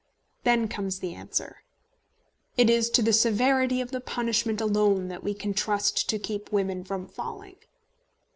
Then comes the answer: It is to the severity of the punishment alone that we can trust to keep women from falling.